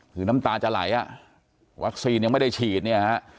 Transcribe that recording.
คือน้ำตาจะไหลอ่ะวัคซีนยังไม่ได้ฉีดเนี่ยฮะ